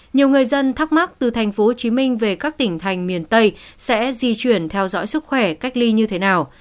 nhiều người dân thắc mắc từ tp hcm về các tỉnh thành miền tây sẽ di chuyển theo dõi sức khỏe cách ly như thế nào